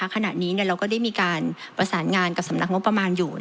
ขณะนี้เราก็ได้มีการประสานงานกับสำนักงบประมาณอยู่